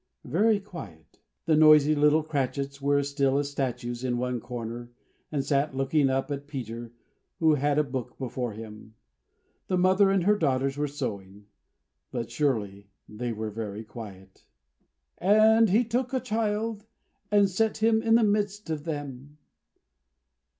Very quiet. The noisy little Cratchits were as still as statues in one corner, and sat looking up at Peter, who had a book before him. The mother and her daughters were sewing. But surely they were very quiet! "'And He took a child, and set him in the midst of them.'"